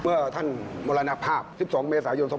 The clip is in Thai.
เมื่อท่านมรณภาพ๑๒เมษายน๒๕๖